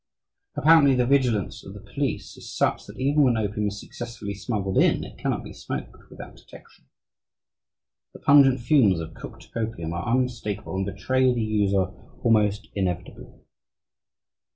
Apparently, the vigilance of the police is such that even when opium is successfully smuggled in, it cannot be smoked without detection. The pungent fumes of cooked opium are unmistakable, and betray the user almost inevitably....